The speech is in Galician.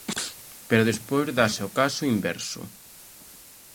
Pero despois, dáse o caso inverso.